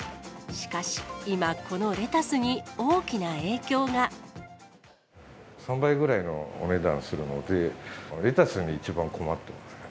しかし、３倍ぐらいのお値段するので、レタスに一番困っています。